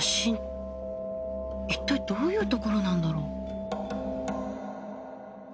一体どういうところなんだろう？